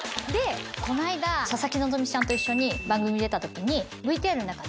この間佐々木希ちゃんと一緒に番組出た時に。